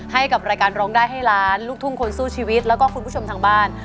ให้กับรายการร้องได้ให้ล้านลูกทุ่งคนสู้ชีวิตแล้วก็คุณผู้ชมทางบ้าน